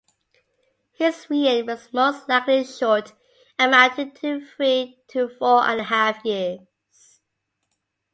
His reign was most likely short, amounting to three to four-and-a-half years.